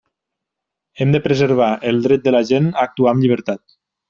Hem de preservar el dret de la gent a actuar amb llibertat.